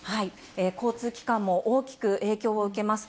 交通機関も大きく影響を受けます。